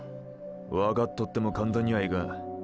わかっとっても簡単にはいかん。